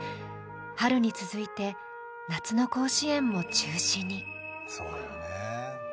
春に続いて夏の甲子園も中止に。